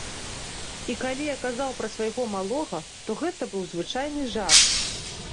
І калі я казаў пра свайго малога, то гэта быў звычайны жарт.